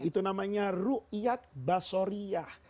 itu namanya ruqyat basoriah